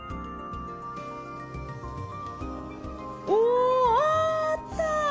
おあった！